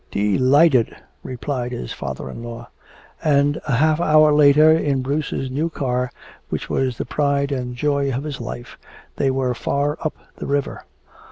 "Delighted," replied his father in law. And a half hour later in Bruce's new car, which was the pride and joy of his life, they were far up the river.